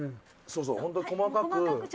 そうそう本当細かく。